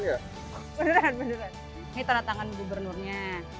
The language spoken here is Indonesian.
ini tanda tangan gubernurnya